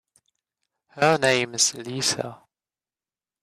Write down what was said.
Her name is Elisa.